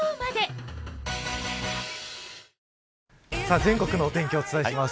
全国のお天気をお伝えします。